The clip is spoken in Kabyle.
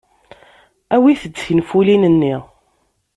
Awit-d tinfulin-nni.